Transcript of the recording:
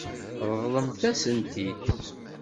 Ṛeḍlemt-asen-t-id.